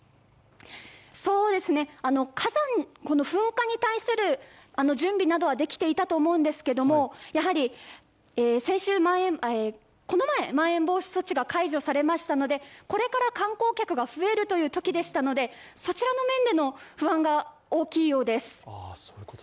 火山、噴火に対する準備などはできていたと思うんですけどやはり先週、まん延防止措置が解除されましたので、これから観光客が増えるというときでしたのでそちらの面での不安が大きいようです。